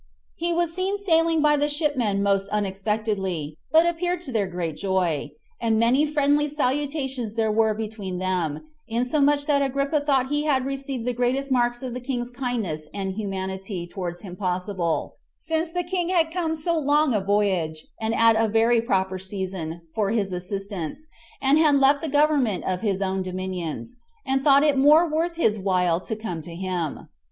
He was seen sailing by the ship men most unexpectedly, but appeared to their great joy; and many friendly salutations there were between them, insomuch that Agrippa thought he had received the greatest marks of the king's kindness and humanity towards him possible, since the king had come so long a voyage, and at a very proper season, for his assistance, and had left the government of his own dominions, and thought it more worth his while to come to him.